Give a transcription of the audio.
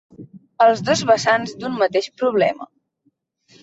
Els dos vessants d'un mateix problema.